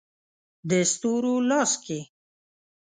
د ستورو لاس کې